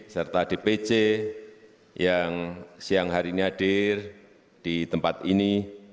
serta dpc yang siang hari ini hadir di tempat ini